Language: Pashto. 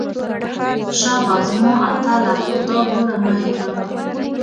شابه زما اتله خو دا ګوره مه هېروه.